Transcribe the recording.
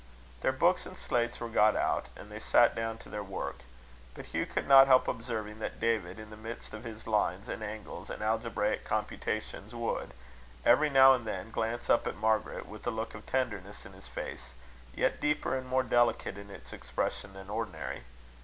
Their books and slates were got out, and they sat down to their work; but Hugh could not help observing that David, in the midst of his lines and angles and algebraic computations, would, every now and then, glance up at Margaret, with a look of tenderness in his face yet deeper and more delicate in its expression than ordinary.